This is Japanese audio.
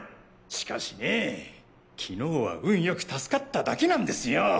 しかしねぇ昨日は運よく助かっただけなんですよ。